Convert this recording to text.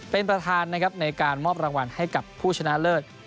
เป็นประธานนะครับในการมอบรางวัลให้กับผู้ชนะเลิศ